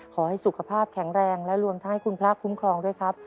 ขอให้สุขภาพแข็งแรงและรวมทั้งให้คุณพระคุ้มครองด้วยครับ